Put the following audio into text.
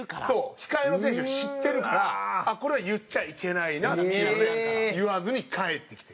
控えの選手は知ってるからこれは言っちゃいけないなっていうので言わずに帰ってきてる。